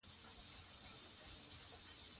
په خپل ژوند کي په کلونو، ټول جهان سې غولولای